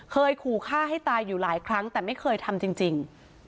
เคยขู่ฆ่าให้ตายอยู่หลายครั้งแต่ไม่เคยทำจริง